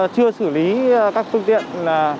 chưa xử lý các phương tiện